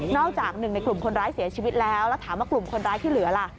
จากหนึ่งในกลุ่มคนร้ายเสียชีวิตแล้วแล้วถามว่ากลุ่มคนร้ายที่เหลือล่ะ